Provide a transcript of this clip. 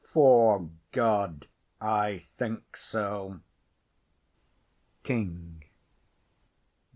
Fore God, I think so. KING.